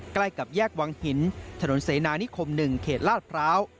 ใกล้กับแยกวังหินถนนเสนานิคม๑เขตลาดพร้าว